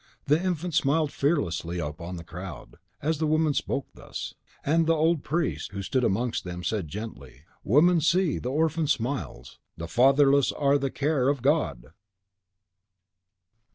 The infant smiled fearlessly on the crowd, as the woman spoke thus. And the old priest, who stood amongst them, said gently, "Woman, see! the orphan smiles! THE FATHERLESS ARE THE CARE OF GOD!"